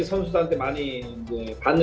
saya juga menarik dari thailand